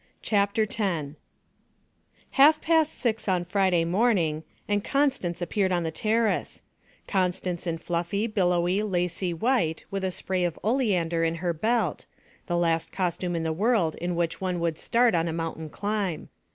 CHAPTER X Half past six on Friday morning, and Constance appeared on the terrace; Constance in fluffy, billowy, lacy white with a spray of oleander in her belt the last costume in the world in which one would start on a mountain climb.